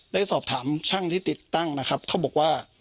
ได้สอบถามช่างที่ติดตั้งนะครับเขาบอกว่า